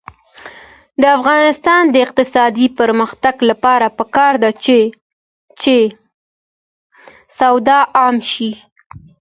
د افغانستان د اقتصادي پرمختګ لپاره پکار ده چې سواد عام شي.